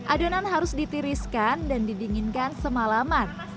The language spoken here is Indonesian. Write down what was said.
adonan harus ditiriskan dan didinginkan semalaman